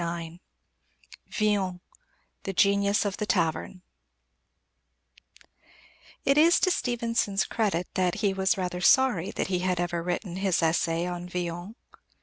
IX VILLON: THE GENIUS OF THE TAVERN It is to Stevenson's credit that he was rather sorry that he had ever written his essay on Villon.